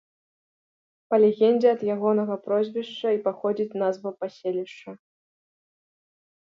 Па легендзе ад ягонага прозвішча і паходзіць назва паселішча.